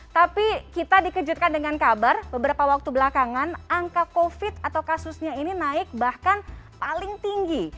tapi kita dikejutkan dengan kabar beberapa waktu belakangan angka covid atau kasusnya ini naik bahkan paling tinggi